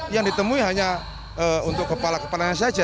yang ditemui hanya untuk kepala kepalanya saja